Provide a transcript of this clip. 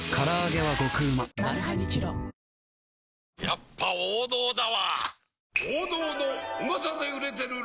やっぱ王道だわプシュ！